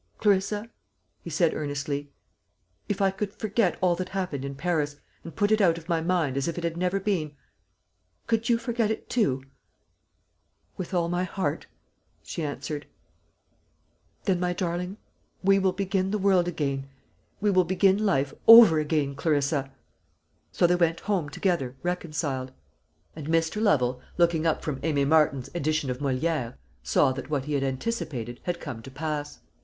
"Clarissa," he said earnestly, "if I could forget all that happened in Paris, and put it out of my mind as if it had never been, could you forget it too?" "With all my heart," she answered. "Then, my darling, we will begin the world again we will begin life over again, Clarissa!" So they went home together reconciled. And Mr. Lovel, looking up from Aimé Martin's edition of Molière, saw that what he had anticipated had come to pass.